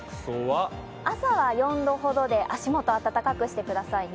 朝は４度ほどで足元、暖かくしてくださいね。